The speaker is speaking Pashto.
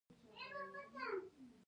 هغه خپل بل ملګري عسکر ته د لاس اشاره وکړه